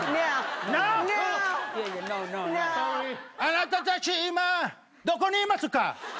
あなたたち今どこにいますか？